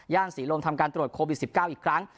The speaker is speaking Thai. ศรีลมทำการตรวจโควิด๑๙อีกครั้ง